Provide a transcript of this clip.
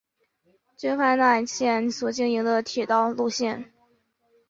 京阪奈线所经营的铁道路线。